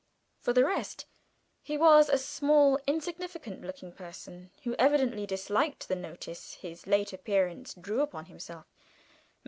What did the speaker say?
For the rest, he was a small insignificant looking person, who evidently disliked the notice his late appearance drew upon himself.